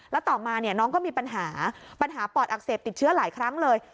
แล้วต่อมาเนี่ยน้องก็มีปัญหาปัญหาปอดอักเสบติดเชื้อหลายครั้งเลย